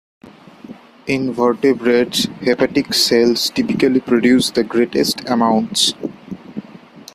In vertebrates, hepatic cells typically produce the greatest amounts.